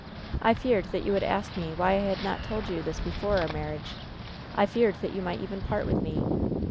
I feared that you would ask me why I had not told you this before our marriage. I feared that you might even part with me.